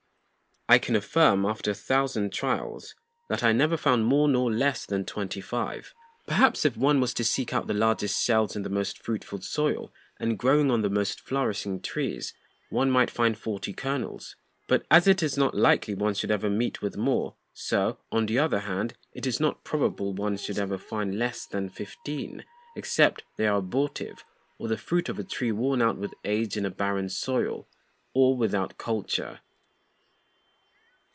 I can affirm, after a thousand Tryals, that I never found more nor less than twenty five. Perhaps if one was to seek out the largest Shells in the most fruitful Soil, and growing on the most flourishing Trees, one might find forty Kernels; but as it is not likely one should ever meet with more, so, on the other hand, it is not probable one should ever find less than fifteen, except they are abortive, or the Fruit of a Tree worn out with Age in a barren Soil, or without Culture.